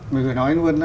mình phải nói luôn